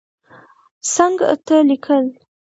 څنګ ته لیکل